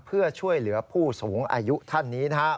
เพื่อช่วยเหลือผู้สูงอายุท่านนี้นะครับ